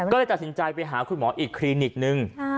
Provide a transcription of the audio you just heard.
ก็เลยตัดสินใจไปหาคุณหมออีกคลินิกนึง